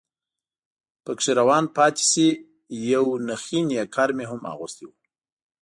پکې روان پاتې شي، یو نخی نیکر مې هم اغوستی و.